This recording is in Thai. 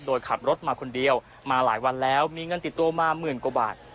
โดยขับรถมาคนเดียวมาหลายวันแล้วมีเงินติดตัวมาหมื่นกว่าบาท